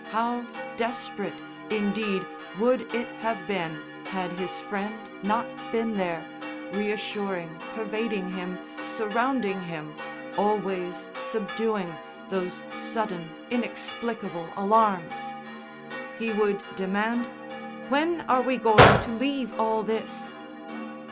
How desperate, indeed, would it have been had his Friend not been there, reassuring pervading him, surrounding him, always subduing those sudden inexplicable alarms. He would demand: "When are we going to leave all this?"